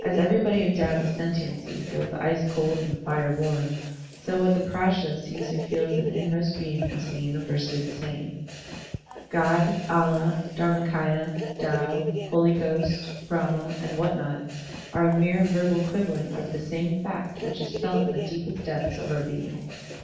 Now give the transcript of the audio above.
As everybody endowed with sentiency feels the ice cold and the fire warm, so what the PrajM sees or feels in its inmost being must be universally the same. God, Allah, DharmaMya, Tao, Holy Ghost, Brahma, and what not, are a mere verbal quib bling over the same fact which is felt in the deepest depths of our being.